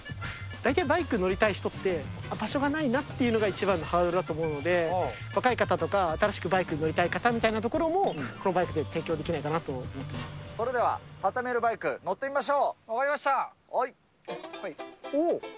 大体バイク乗りたい人って、場所がないなっていうのが一番のハードルだと思うので、若い方とか、新しくバイクに乗りたい方みたいなところをこのバイクで提供できそれではタタメルバイク、分かりました。